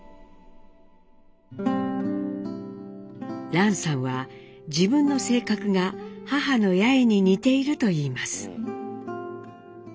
蘭さんは自分の性格が母の八重に似ているといいます。